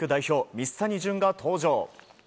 水谷隼が登場。